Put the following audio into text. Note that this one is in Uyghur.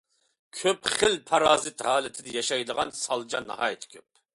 كۆپ خىل پارازىت ھالىتىدە ياشايدىغان سالجا ناھايىتى كۆپ.